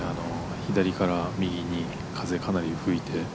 左から右に風、かなり吹いて。